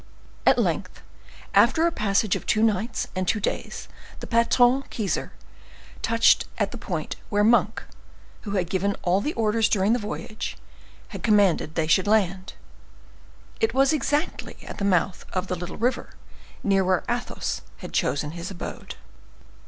At length, after a passage of two nights and two days, the patron Keyser touched at the point where Monk, who had given all the orders during the voyage, had commanded they should land. It was exactly at the mouth of the little river, near where Athos had chosen his abode.